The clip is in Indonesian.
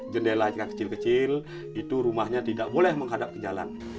jendelanya kecil kecil itu rumahnya tidak boleh menghadap ke jalan